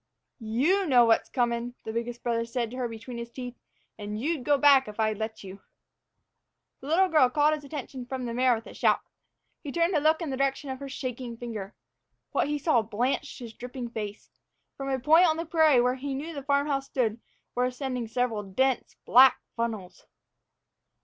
"You know what's comin'," the biggest brother said to her between his teeth; "and you'd go back if I'd let you." The little girl called his attention from the mare with a shout. He turned to look in the direction of her shaking finger. What he saw blanched his dripping face. From a point on the prairie where he knew the farm house stood were ascending several dense, black funnels!